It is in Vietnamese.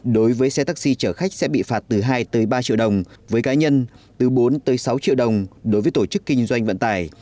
đối với xe taxi chở khách sẽ bị phạt từ hai ba triệu đồng với cá nhân từ bốn sáu triệu đồng đối với tổ chức kinh doanh vận tải